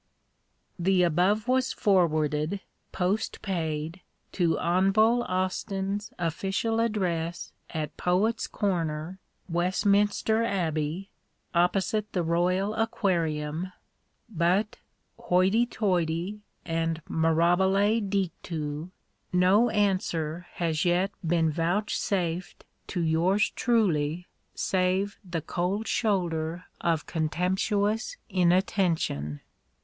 The above was forwarded (post paid) to Hon'ble AUSTIN'S official address at Poet's Corner, Westminster Abbey (opposite the Royal Aquarium), but hoity toity and mirabile dictu! no answer has yet been vouchsafed to yours truly save the cold shoulder of contemptuous inattention!